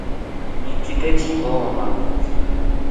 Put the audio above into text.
Ikite libooma.